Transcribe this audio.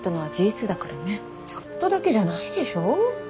ちょっとだけじゃないでしょ。